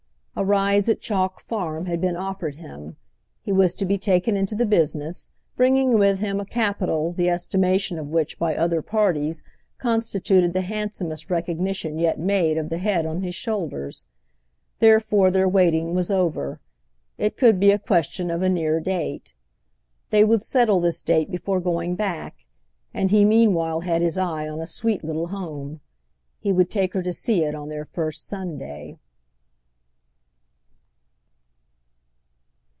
A rise at Chalk Farm had been offered him; he was to be taken into the business, bringing with him a capital the estimation of which by other parties constituted the handsomest recognition yet made of the head on his shoulders. Therefore their waiting was over—it could be a question of a near date. They would settle this date before going back, and he meanwhile had his eye on a sweet little home. He would take her to see it on their first Sunday.